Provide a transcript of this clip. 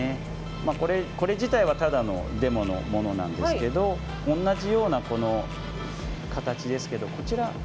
これ自体はただのデモのものなんですけど同じようなこの形ですけどこちら持ってもらって。